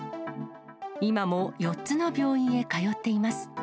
今も４つの病院へ通っています。